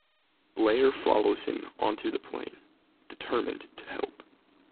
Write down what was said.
Blair follows him onto the plane, determined to help.